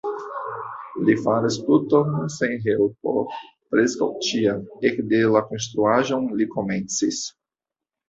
Li faras tuton sen helpo preskaŭ ĉiam, ekde la konstruaĵon li komencis.